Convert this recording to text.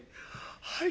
「はい。